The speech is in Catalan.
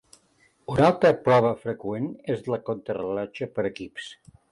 Una altra prova freqüent és la contrarellotge per equips.